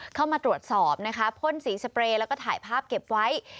เข้ามาตรวจสอบนะคะพ่นสีสเปรย์แล้วก็ถ่ายภาพเก็บไว้